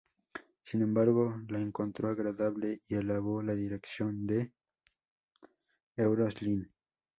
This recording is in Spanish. Sin embargo, la encontró "agradable" y alabó la dirección de Euros Lyn.